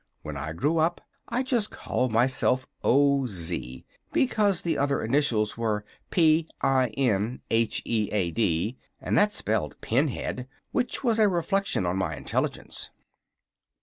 When I grew up I just called myself O. Z., because the other initials were P I N H E A D; and that spelled 'pinhead,' which was a reflection on my intelligence."